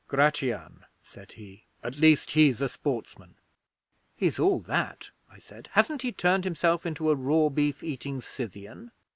'"Gratian," said he. "At least he's a sportsman." '"He's all that," I said. "Hasn't he turned himself into a raw beef eating Scythian?"